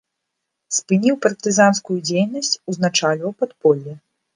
Спыніў партызанскую дзейнасць, узначальваў падполле.